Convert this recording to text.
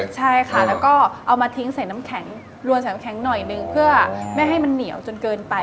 ใช่ค่ะแล้วก็เอามาทิ้งใส่น้ำแข็งรวมใส่น้ำแข็งหน่อยนึงเพื่อไม่ให้มันเหนียวจนเกินไป